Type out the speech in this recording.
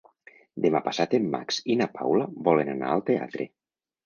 Demà passat en Max i na Paula volen anar al teatre.